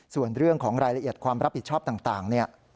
ส่วนเรื่องของรายละเอียดความรับผิดชอบต่างเนี่ย